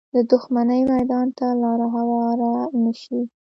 د دښمنۍ میدان ته لاره هواره نه شي